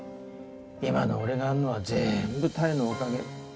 今の俺があるのは全部多江のおかげ。